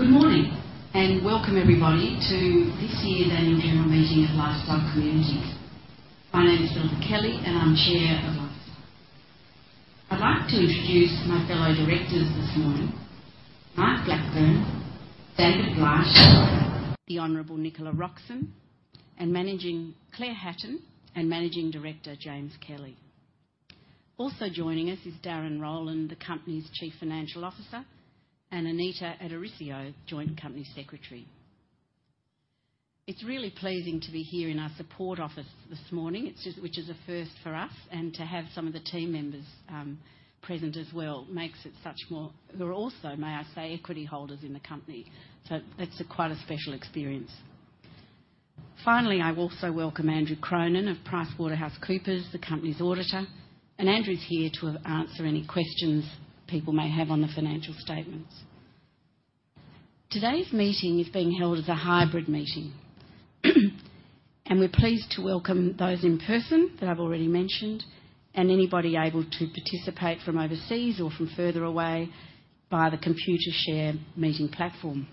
Good morning, and welcome everybody to this year's Annual General Meeting of Lifestyle Communities. My name is Philippa Kelly, and I'm Chair of Lifestyle. I'd like to introduce my fellow directors this morning, Mark Blackburn, David Blight, the Honourable Nicola Roxon, and Managing-- Claire Hatton, and Managing Director, James Kelly. Also joining us is Darren Rowland, the company's Chief Financial Officer, and Anita Addorisio, Joint Company Secretary. It's really pleasing to be here in our support office this morning. It's just-- which is a first for us, and to have some of the team members present as well, makes it such more. Who are also, may I say, equity holders in the company. So that's quite a special experience. Finally, I also welcome Andrew Cronin of PricewaterhouseCoopers, the company's auditor, and Andrew is here to answer any questions people may have on the financial statements. Today's meeting is being held as a hybrid meeting, and we're pleased to welcome those in person that I've already mentioned, and anybody able to participate from overseas or from further away by the Computershare meeting platform.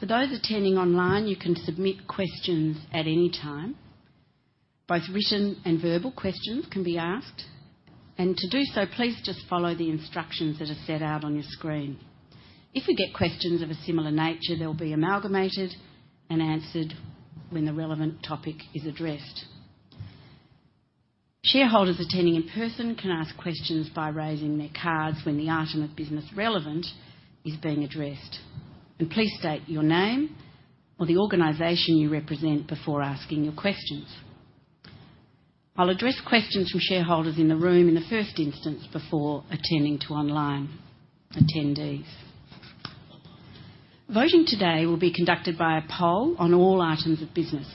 For those attending online, you can submit questions at any time. Both written and verbal questions can be asked, and to do so, please just follow the instructions that are set out on your screen. If we get questions of a similar nature, they'll be amalgamated and answered when the relevant topic is addressed. Shareholders attending in person can ask questions by raising their cards when the item of business relevant is being addressed. Please state your name or the organization you represent before asking your questions. I'll address questions from shareholders in the room in the first instance, before attending to online attendees. Voting today will be conducted by a poll on all items of business,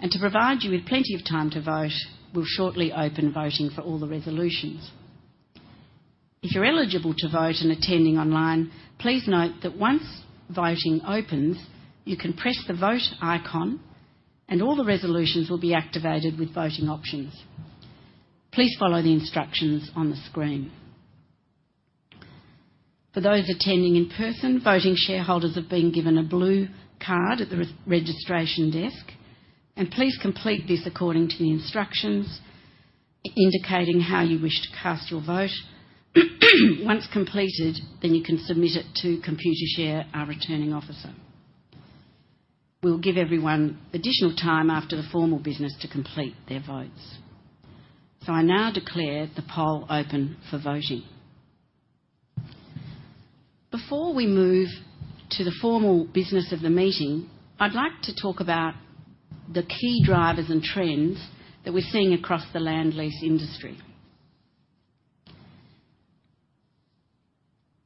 and to provide you with plenty of time to vote, we'll shortly open voting for all the resolutions. If you're eligible to vote and attending online, please note that once voting opens, you can press the Vote icon, and all the resolutions will be activated with voting options. Please follow the instructions on the screen. For those attending in person, voting shareholders have been given a blue card at the registration desk, and please complete this according to the instructions indicating how you wish to cast your vote. Once completed, then you can submit it to Computershare, our returning officer. We'll give everyone additional time after the formal business to complete their votes. I now declare the poll open for voting. Before we move to the formal business of the meeting, I'd like to talk about the key drivers and trends that we're seeing across the land lease industry.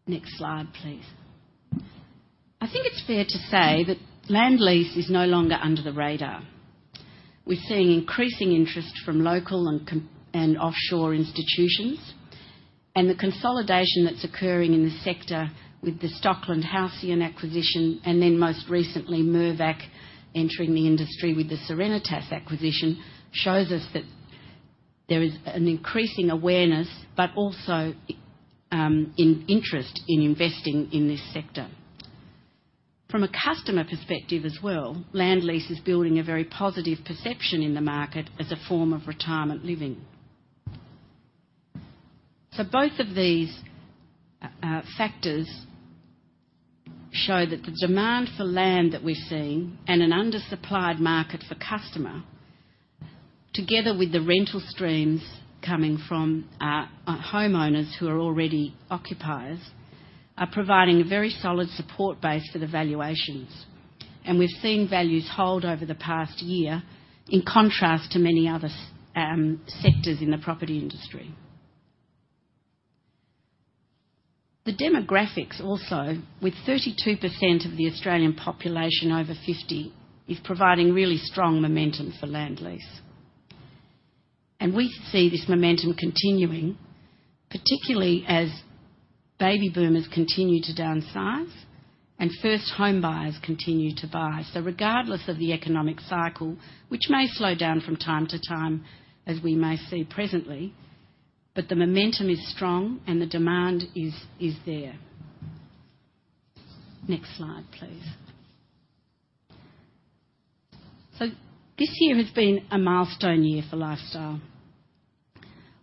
Next slide, please. I think it's fair to say that land lease is no longer under the radar. We're seeing increasing interest from local and offshore institutions, and the consolidation that's occurring in the sector with the Stockland Halcyon acquisition, and then most recently, Mirvac entering the industry with the Serenitas acquisition, shows us that there is an increasing awareness, but also in interest in investing in this sector. From a customer perspective as well, land lease is building a very positive perception in the market as a form of retirement living. So both of these factors show that the demand for land that we're seeing and an undersupplied market for customer, together with the rental streams coming from homeowners who are already occupiers, are providing a very solid support base for the valuations. And we've seen values hold over the past year, in contrast to many other sectors in the property industry. The demographics also, with 32% of the Australian population over 50, is providing really strong momentum for land lease. And we see this momentum continuing, particularly as baby boomers continue to downsize and first homebuyers continue to buy. So regardless of the economic cycle, which may slow down from time to time, as we may see presently, but the momentum is strong and the demand is there. Next slide, please. So this year has been a milestone year for Lifestyle.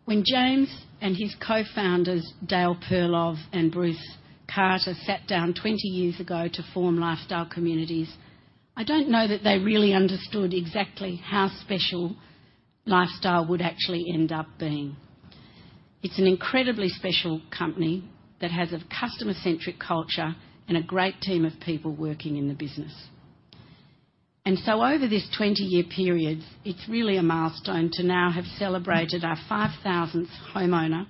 When James and his co-founders, Dael Perlov and Bruce Carter, sat down 20 years ago to form Lifestyle Communities, I don't know that they really understood exactly how special Lifestyle would actually end up being. It's an incredibly special company that has a customer-centric culture and a great team of people working in the business. So, over this 20-year period, it's really a milestone to now have celebrated our 5,000th homeowner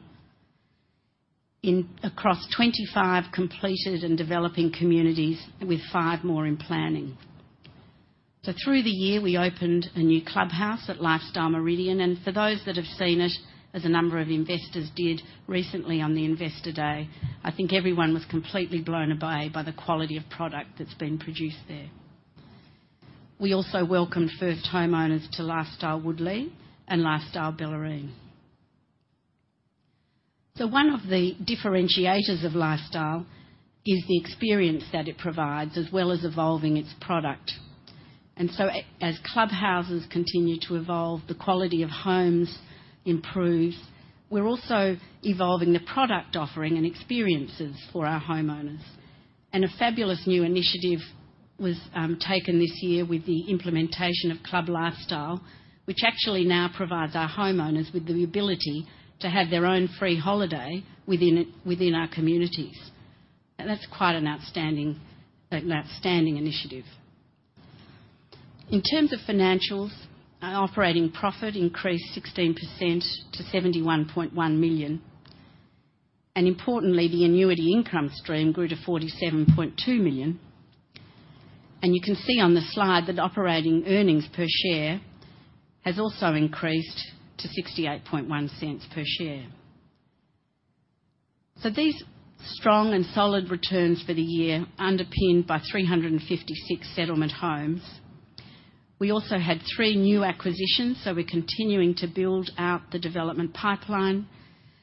in across 25 completed and developing communities, with five more in planning. So through the year, we opened a new clubhouse at Lifestyle Meridian, and for those that have seen it, as a number of investors did recently on the Investor Day, I think everyone was completely blown away by the quality of product that's been produced there... We also welcomed first homeowners to Lifestyle Woodlea and Lifestyle Bellarine. So one of the differentiators of Lifestyle is the experience that it provides, as well as evolving its product. As clubhouses continue to evolve, the quality of homes improves. We're also evolving the product offering and experiences for our homeowners. A fabulous new initiative was taken this year with the implementation of Club Lifestyle, which actually now provides our homeowners with the ability to have their own free holiday within our communities. That's quite an outstanding initiative. In terms of financials, our operating profit increased 16% to 71.1 million, and importantly, the annuity income stream grew to 47.2 million. You can see on the slide that operating earnings per share has also increased to 0.681 per share. So these strong and solid returns for the year, underpinned by 356 settlement homes. We also had three new acquisitions, so we're continuing to build out the development pipeline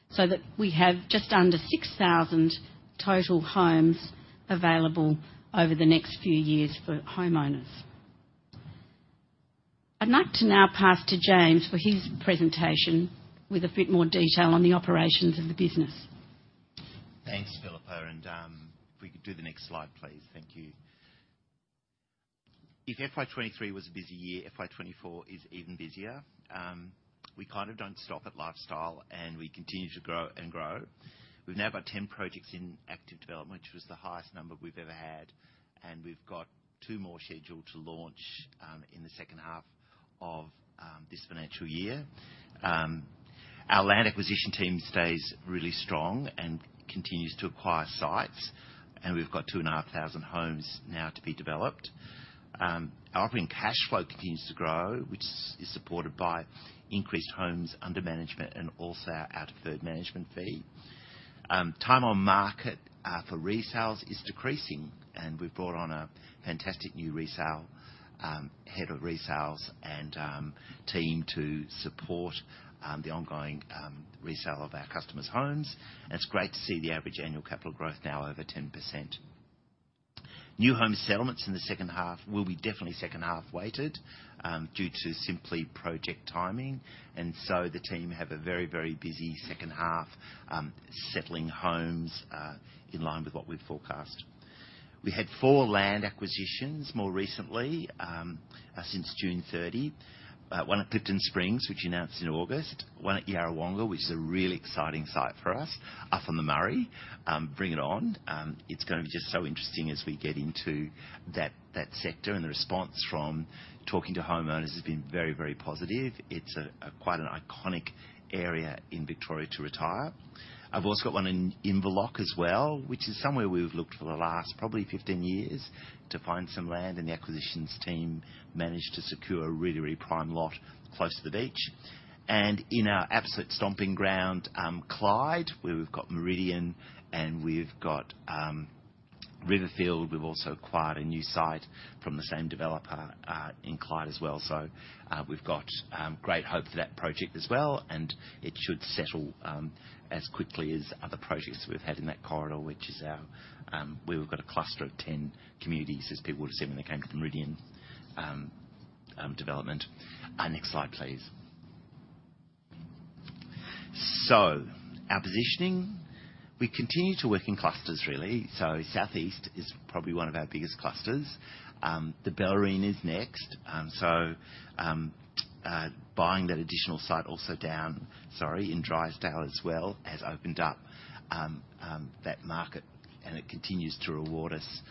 so that we have just under 6,000 total homes available over the next few years for homeowners. I'd like to now pass to James for his presentation, with a bit more detail on the operations of the business. Thanks, Philippa, and if we could do the next slide, please. Thank you. If FY 2023 was a busy year, FY 2024 is even busier. We kind of don't stop at Lifestyle, and we continue to grow and grow. We've now got 10 projects in active development, which was the highest number we've ever had, and we've got two more scheduled to launch in the second half of this financial year. Our land acquisition team stays really strong and continues to acquire sites, and we've got 2,500 homes now to be developed. Our operating cash flow continues to grow, which is supported by increased homes under management and also our one-third management fee. Time on market for resales is decreasing, and we've brought on a fantastic new resale head of resales and team to support the ongoing resale of our customers' homes. And it's great to see the average annual capital growth now over 10%. New home settlements in the second half will be definitely second half weighted due to simply project timing, and so the team have a very, very busy second half settling homes in line with what we've forecast. We had four land acquisitions more recently since June 30. One at Clifton Springs, which we announced in August. One at Yarrawonga, which is a really exciting site for us, up on the Murray. Bring it on. It's going to be just so interesting as we get into that sector, and the response from talking to homeowners has been very, very positive. It's quite an iconic area in Victoria to retire. I've also got one in Inverloch as well, which is somewhere we've looked for the last probably 15 years to find some land, and the acquisitions team managed to secure a really, really prime lot close to the beach. In our absolute stomping ground, Clyde, where we've got Meridian, and we've got Riverfield, we've also acquired a new site from the same developer in Clyde as well. So, we've got great hope for that project as well, and it should settle as quickly as other projects we've had in that corridor, which is our, where we've got a cluster of 10 communities, as people would have seen when they came to the Meridian development. Next slide, please. So our positioning, we continue to work in clusters, really. So Southeast is probably one of our biggest clusters. The Bellarine is next. So, buying that additional site also down, sorry, in Drysdale as well, has opened up that market, and it continues to reward us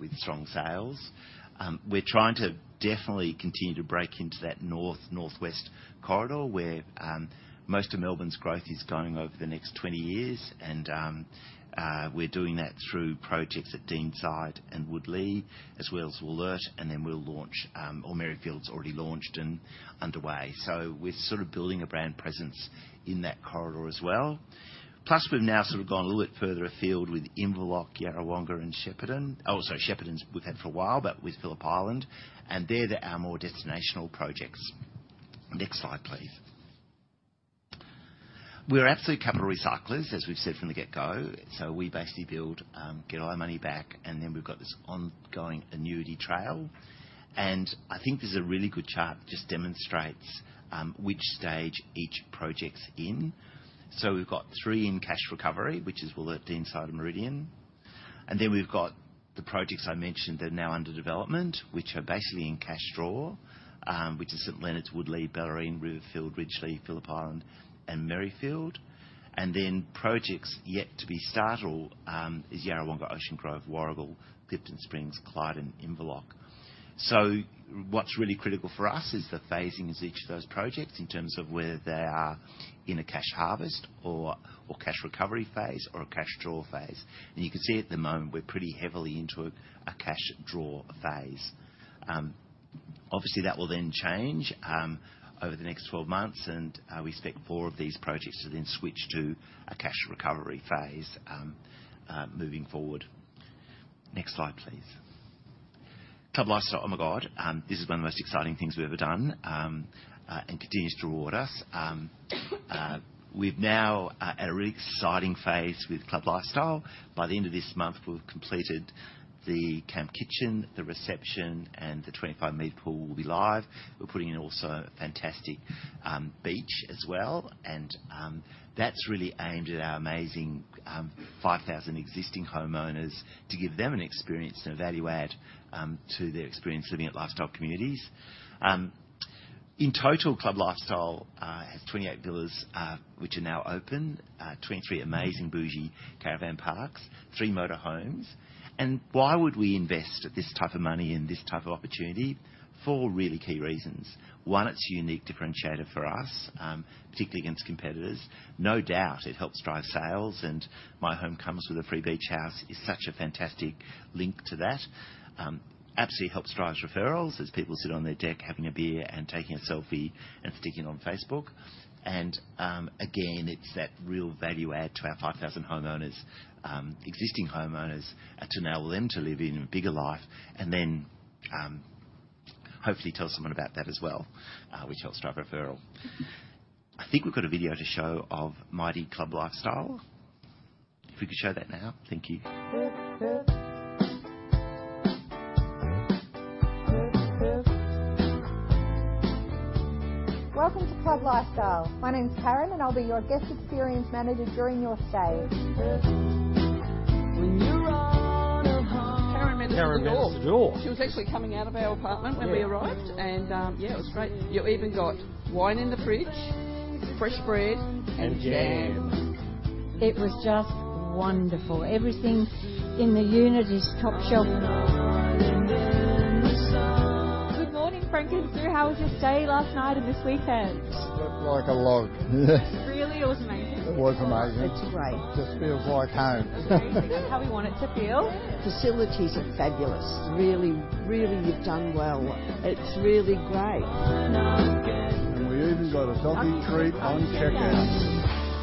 with strong sales. We're trying to definitely continue to break into that north, northwest corridor, where most of Melbourne's growth is going over the next 20 years. And, we're doing that through projects at Deanside and Woodlea, as well as Wollert, and then we'll launch, or Merrifield's already launched and underway. So we're sort of building a brand presence in that corridor as well. Plus, we've now sort of gone a little bit further afield with Inverloch, Yarrawonga and Shepparton. Oh, sorry, Shepparton we've had for a while, but with Phillip Island, and they're our more destinational projects. Next slide, please. We're absolute capital recyclers, as we've said from the get-go. So we basically build, get all our money back, and then we've got this ongoing annuity trail. And I think this is a really good chart, just demonstrates, which stage each project's in. So we've got three in cash recovery, which is Wollert, Deanside, and Meridian. And then we've got the projects I mentioned that are now under development, which are basically in cash draw, which is St Leonards, Woodlea, Bellarine, Riverfield, Ridgelea, Phillip Island, and Merrifield. And then projects yet to be started is Yarrawonga, Ocean Grove, Warragul, Clifton Springs, Clyde, and Inverloch. So what's really critical for us is the phasing of each of those projects in terms of whether they are in a cash harvest or cash recovery phase or a cash draw phase. And you can see at the moment, we're pretty heavily into a cash draw phase. Obviously, that will then change over the next 12 months, and we expect 4 of these projects to then switch to a cash recovery phase moving forward. Next slide, please. Club Lifestyle, oh, my God! This is one of the most exciting things we've ever done and continues to reward us. We're now at a really exciting phase with Club Lifestyle. By the end of this month, we'll have completed the camp kitchen, the reception, and the 25-meter pool will be live. We're putting in also a fantastic beach as well, and that's really aimed at our amazing 5,000 existing homeowners to give them an experience and a value add to their experience living at Lifestyle Communities. In total, Club Lifestyle has 28 villas which are now open, 23 amazing bougie caravan parks, three motor homes. Why would we invest this type of money in this type of opportunity? Four really key reasons: One, it's a unique differentiator for us, particularly against competitors. No doubt, it helps drive sales, and "My home comes with a free beach house" is such a fantastic link to that. Absolutely helps drive referrals as people sit on their deck, having a beer and taking a selfie and sticking it on Facebook. And again, it's that real value add to our 5,000 homeowners, existing homeowners, to enable them to live in a bigger life and then hopefully tell someone about that as well, which helps drive referral. I think we've got a video to show of mighty Club Lifestyle. If we could show that now. Thank you. Welcome to Club Lifestyle. My name is Karen, and I'll be your guest experience manager during your stay. When you're on a holiday- Karen met us at the door. Karen met us at the door. She was actually coming out of our apartment when we arrived- Yeah. And yeah, it was great. You even got wine in the fridge, fresh bread, And jam. It was just wonderful. Everything in the unit is top shelf. On an island in the sun. Good morning, Frank and Sue. How was your stay last night and this weekend? Slept like a log. Really? It was amazing. It was amazing. It's great. Just feels like home. That's how we want it to feel. Facilities are fabulous. Really, really, you've done well. It's really great. We even got a doggy treat on checkout.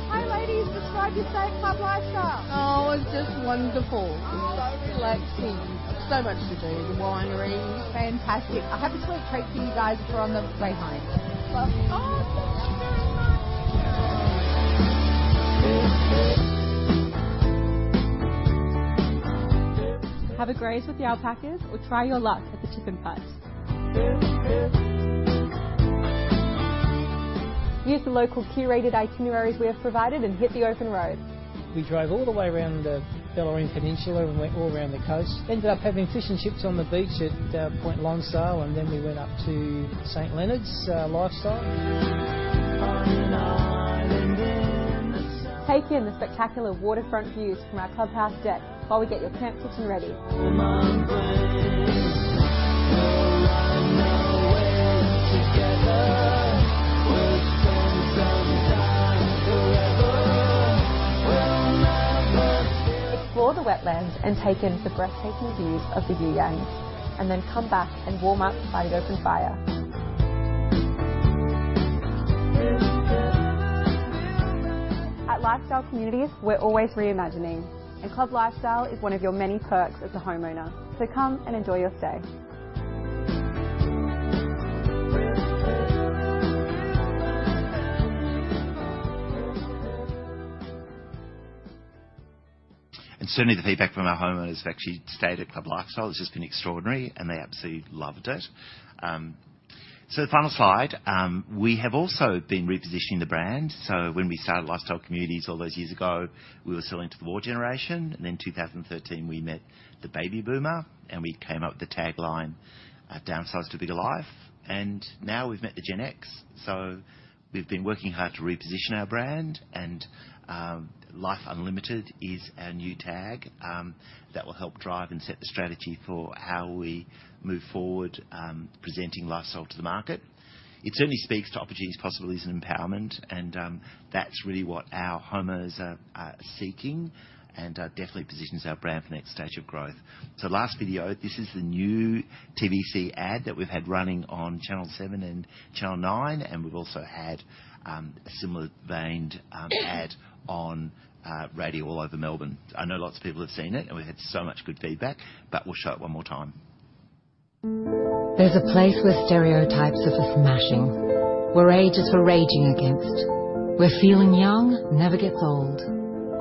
Hi, ladies. Describe your stay at Club Lifestyle. Oh, it's just wonderful. Oh. So relaxing. So much to do, the winery. Fantastic. I have a sweet treat for you guys for on the way home. Oh, thank you very much! Have a graze with the alpacas or try your luck at the chip and putt. Use the local curated itineraries we have provided and hit the open road. We drove all the way around the Bellarine Peninsula and went all around the coast. Ended up having fish and chips on the beach at Point Lonsdale, and then we went up to St Leonards Lifestyle. On an island in the sun. Take in the spectacular waterfront views from our clubhouse deck while we get your camp kitchen ready. My brain. We'll run away together, where time stands still forever. We'll never feel- Explore the wetlands and take in the breathtaking views of the You Yangs, and then come back and warm up by the open fire. At Lifestyle Communities, we're always reimagining, and Club Lifestyle is one of your many perks as a homeowner. So come and enjoy your stay. Certainly, the feedback from our homeowners who have actually stayed at Club Lifestyle has just been extraordinary, and they absolutely loved it. The final slide. We have also been repositioning the brand. When we started Lifestyle Communities all those years ago, we were selling to the war generation, and then in 2013, we met the baby boomer, and we came up with the tagline, "Downsize to a bigger life." Now we've met the Gen X, so we've been working hard to reposition our brand, and Life Unlimited is our new tag that will help drive and set the strategy for how we move forward, presenting Lifestyle to the market. It certainly speaks to opportunities, possibilities, and empowerment, and that's really what our homeowners are, are seeking and definitely positions our brand for the next stage of growth. So last video, this is the new TVC ad that we've had running on Channel Seven and Channel Nine, and we've also had a similar veined ad on radio all over Melbourne. I know lots of people have seen it, and we've had so much good feedback, but we'll show it one more time. There's a place where stereotypes are for smashing, where ages are raging against, where feeling young never gets old,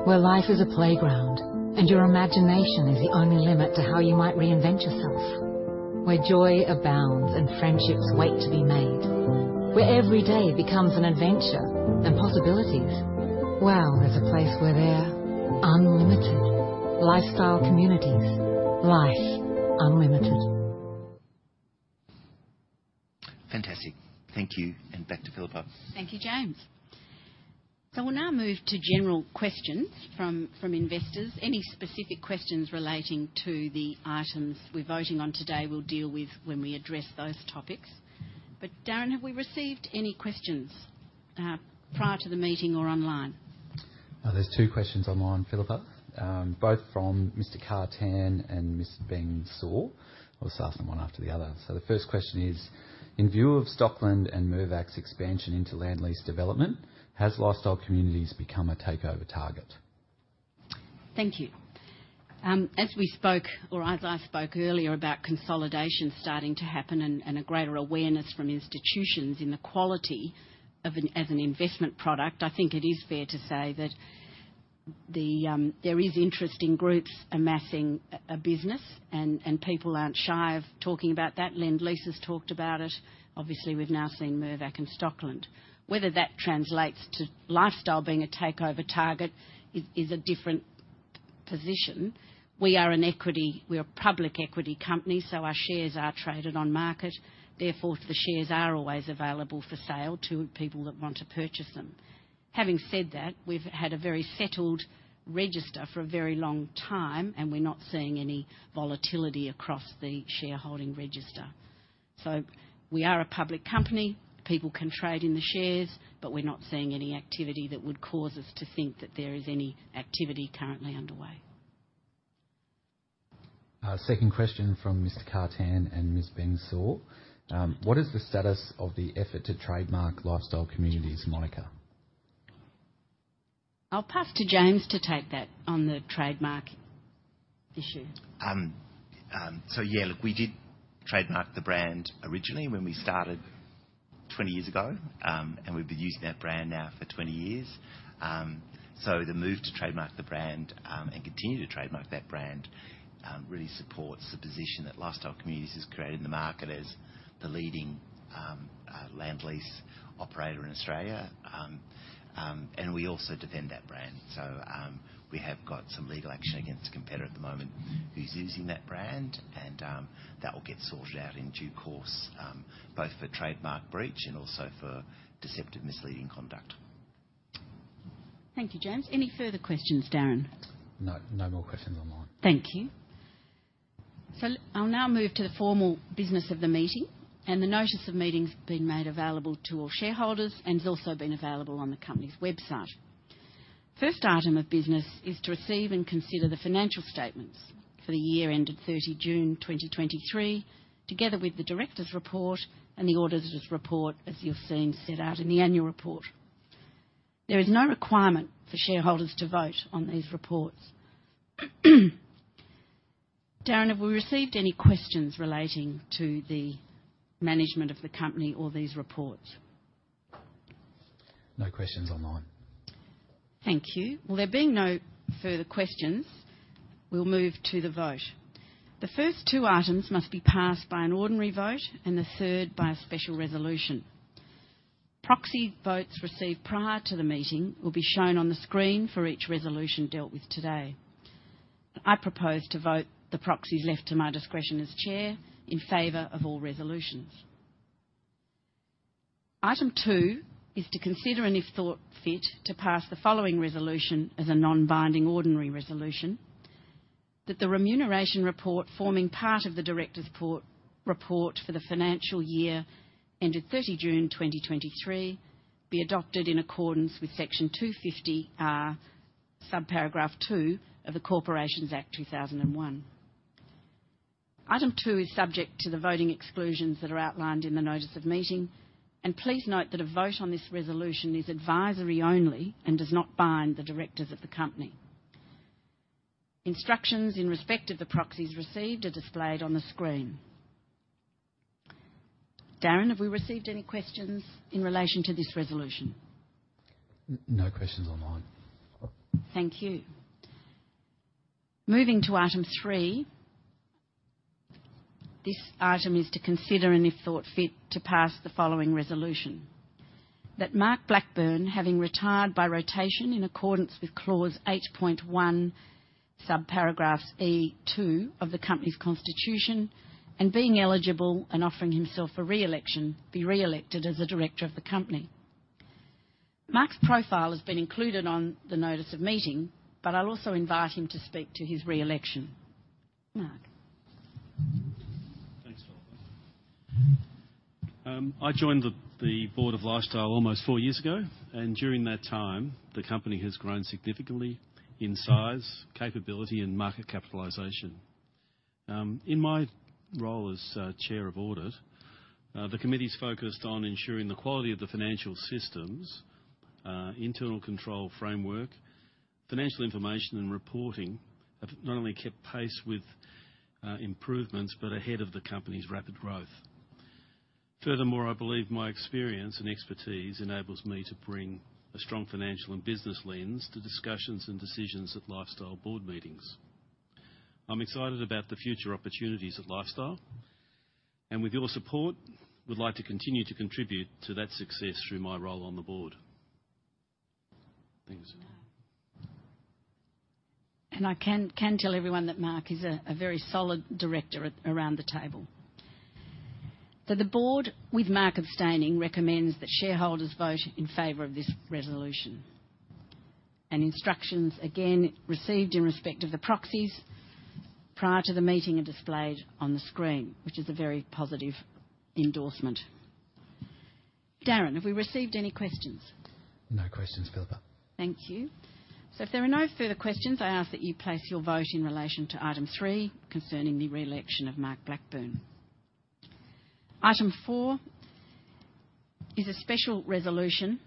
where life is a playground, and your imagination is the only limit to how you might reinvent yourself. Where joy abounds and friendships wait to be made. Where every day becomes an adventure, and possibilities. Well, there's a place where they're unlimited. Lifestyle Communities: Life Unlimited. Fantastic. Thank you, and back to Philippa. Thank you, James. So we'll now move to general questions from investors. Any specific questions relating to the items we're voting on today, we'll deal with when we address those topics. But, Darren, have we received any questions prior to the meeting or online? There's two questions online, Philippa, both from Mr. Kartan and Ms. Beng Su. I'll start them one after the other. The first question is: In view of Stockland and Mirvac's expansion into land lease development, has Lifestyle Communities become a takeover target? Thank you. As we spoke, or as I spoke earlier, about consolidation starting to happen and a greater awareness from institutions in the quality of an investment product, I think it is fair to say that there is interest in groups amassing a business, and people aren't shy of talking about that. Lendlease has talked about it. Obviously, we've now seen Mirvac and Stockland. Whether that translates to Lifestyle being a takeover target is a different position. We are an equity, we're a public equity company, so our shares are traded on market. Therefore, the shares are always available for sale to people that want to purchase them. Having said that, we've had a very settled register for a very long time, and we're not seeing any volatility across the shareholding register. So we are a public company. People can trade in the shares, but we're not seeing any activity that would cause us to think that there is any activity currently underway. Second question from Mr. Kartan and Ms. Beng Su: "What is the status of the effort to trademark Lifestyle Communities moniker? I'll pass to James to take that on the trademark issue. So yeah, look, we did trademark the brand originally when we started 20 years ago. And we've been using that brand now for 20 years. So the move to trademark the brand, and continue to trademark that brand, really supports the position that Lifestyle Communities has created in the market as the leading land lease operator in Australia. And we also defend that brand. So, we have got some legal action against a competitor at the moment who's using that brand, and, that will get sorted out in due course, both for trademark breach and also for deceptive, misleading conduct. Thank you, James. Any further questions, Darren? No. No more questions online. Thank you. So I'll now move to the formal business of the meeting, and the notice of meeting has been made available to all shareholders and has also been available on the company's website. First item of business is to receive and consider the financial statements for the year ended 30 June 2023, together with the director's report and the auditor's report, as you've seen set out in the annual report. There is no requirement for shareholders to vote on these reports. Darren, have we received any questions relating to the management of the company or these reports? No questions online. Thank you. Well, there being no further questions, we'll move to the vote. The first two items must be passed by an ordinary vote and the third by a special resolution. Proxy votes received prior to the meeting will be shown on the screen for each resolution dealt with today. I propose to vote the proxies left to my discretion as chair in favor of all resolutions. Item two is to consider, and if thought fit, to pass the following resolution as a non-binding ordinary resolution: that the remuneration report, forming part of the directors' report for the financial year ended 30 June 2023, be adopted in accordance with section 250R, subparagraph (2) of the Corporations Act 2001. Item two is subject to the voting exclusions that are outlined in the notice of meeting, and please note that a vote on this resolution is advisory only and does not bind the directors of the company. Instructions in respect of the proxies received are displayed on the screen. Darren, have we received any questions in relation to this resolution? No questions online. Thank you. Moving to item three, this item is to consider, and if thought fit, to pass the following resolution: That Mark Blackburn, having retired by rotation in accordance with Clause 8.1, subparagraph A2 of the company's constitution, and being eligible and offering himself for re-election, be re-elected as a director of the company. Mark's profile has been included on the notice of meeting, but I'll also invite him to speak to his re-election. Mark? Thanks, Philippa. I joined the board of Lifestyle almost four years ago, and during that time, the company has grown significantly in size, capability, and market capitalization. In my role as chair of audit, the committee's focused on ensuring the quality of the financial systems, internal control framework, financial information and reporting, have not only kept pace with improvements, but ahead of the company's rapid growth. Furthermore, I believe my experience and expertise enables me to bring a strong financial and business lens to discussions and decisions at Lifestyle board meetings. I'm excited about the future opportunities at Lifestyle, and with your support, would like to continue to contribute to that success through my role on the board. Thanks. I can tell everyone that Mark is a very solid director around the table. So the board, with Mark abstaining, recommends that shareholders vote in favor of this resolution. Instructions, again, received in respect of the proxies prior to the meeting are displayed on the screen, which is a very positive endorsement. Darren, have we received any questions? No questions, Philippa. Thank you. So if there are no further questions, I ask that you place your vote in relation to item three concerning the re-election of Mark Blackburn. Item four is a special resolution,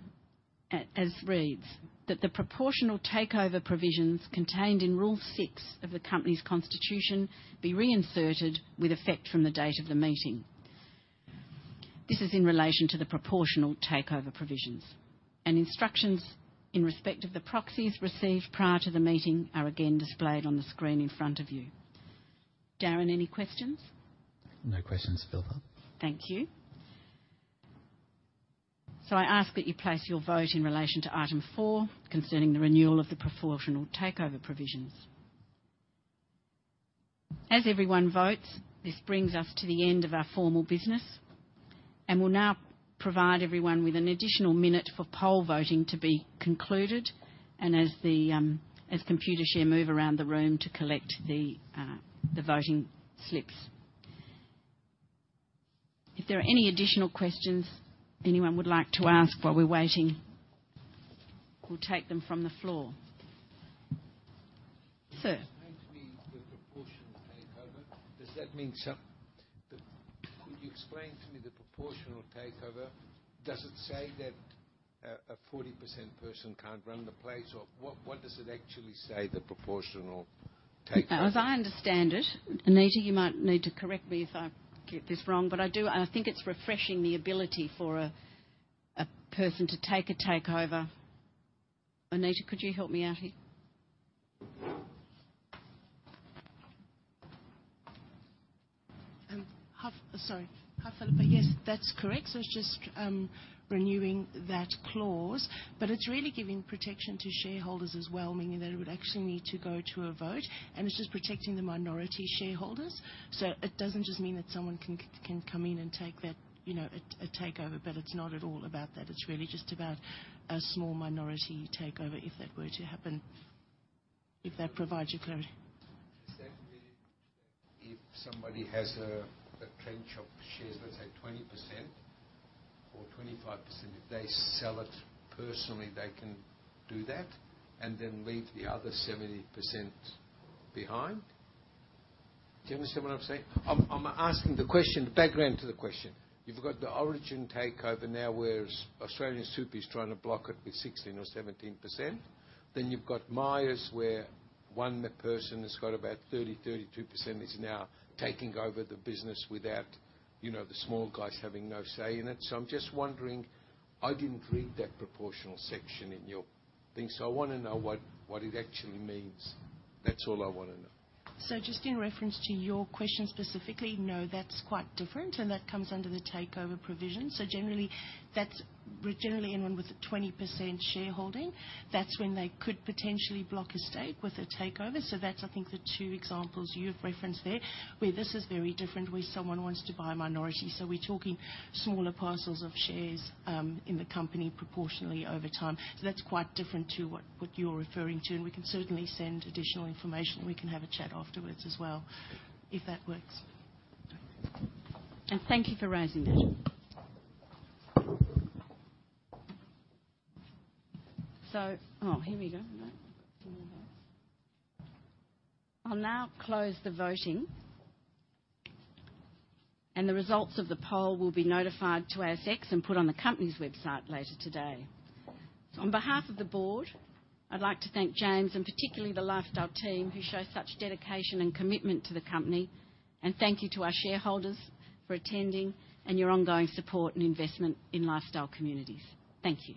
as reads: That the proportional takeover provisions contained in Rule 6 of the company's constitution be reinserted with effect from the date of the meeting. This is in relation to the proportional takeover provisions, and instructions in respect of the proxies received prior to the meeting are again displayed on the screen in front of you. Darren, any questions? No questions, Philippa. Thank you. So I ask that you place your vote in relation to Item four, concerning the renewal of the proportional takeover provisions. As everyone votes, this brings us to the end of our formal business, and we'll now provide everyone with an additional minute for poll voting to be concluded, and as Computershare move around the room to collect the voting slips. If there are any additional questions anyone would like to ask while we're waiting, we'll take them from the floor. Sir? Explain to me the proportional takeover? Does that mean a 40% person can't run the place? Or what, what does it actually say, the proportional takeover? As I understand it, Anita, you might need to correct me if I get this wrong, but I do, I think it's refreshing the ability for a person to take a takeover. Anita, could you help me out here? Sorry, half Phillipa. Yes, that's correct. So it's just renewing that clause, but it's really giving protection to shareholders as well, meaning that it would actually need to go to a vote, and it's just protecting the minority shareholders. So it doesn't just mean that someone can come in and take that, you know, a takeover, but it's not at all about that. It's really just about a small minority takeover, if that were to happen. If that provides you clarity. Does that mean if somebody has a tranche of shares, let's say 20% or 25%, if they sell it personally, they can do that and then leave the other 70% behind? Do you understand what I'm saying? I'm asking the question, the background to the question. You've got the Origin takeover now, where AustralianSuper is trying to block it with 16 or 17%. Then you've got Myer, where one person has got about 30, 32%, is now taking over the business without, you know, the small guys having no say in it. So I'm just wondering, I didn't read that proportional section in your thing, so I want to know what it actually means. That's all I want to know. So just in reference to your question, specifically, no, that's quite different, and that comes under the takeover provision. So generally, anyone with a 20% shareholding, that's when they could potentially block a stake with a takeover. So that's, I think, the two examples you have referenced there, where this is very different, where someone wants to buy a minority. So we're talking smaller parcels of shares in the company proportionally over time. So that's quite different to what you're referring to, and we can certainly send additional information. We can have a chat afterwards as well, if that works. Thank you for raising that. So... Oh, here we go. I'll now close the voting. The results of the poll will be notified to ASX and put on the company's website later today. On behalf of the board, I'd like to thank James, and particularly the Lifestyle team, who show such dedication and commitment to the company. Thank you to our shareholders for attending and your ongoing support and investment in Lifestyle Communities. Thank you.